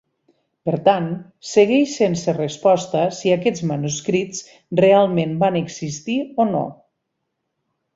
Per tant, segueix sense resposta si aquests manuscrits realment van existir o no.